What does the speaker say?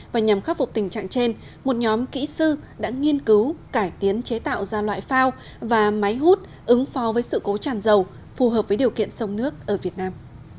và nhằm khắc phục tình trạng trên một nhóm kỹ sư đã nghiên cứu cải tiến chế tạo ra loại phao và máy hút ứng pho với sự cố tràn dầu phù hợp với điều kiện sông nước ở việt nam